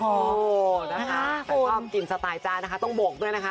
โอ้โหนะคะแต่ชอบกินสไตล์จ้านะคะต้องโบกด้วยนะคะ